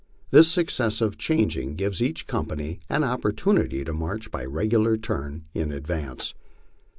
This successive changing gives each company an opportunity to march by regular turn in advance.